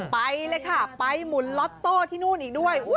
ไปเลยค่ะไปหมุนล็อตโต้ที่นู่นอีกด้วย